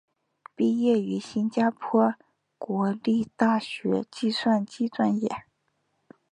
毕业于新加坡国立大学计算机专业。